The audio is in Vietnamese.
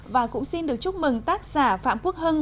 và cũng xin được chúc mừng tác giả phạm quốc hưng